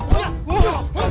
jauh jauh jauh